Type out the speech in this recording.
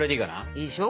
いいでしょ？